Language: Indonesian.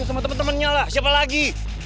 sama temen temennya lah siapa lagi